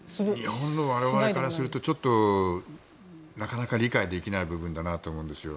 日本の我々からするとちょっとなかなか理解できない部分だなと思うんですよ。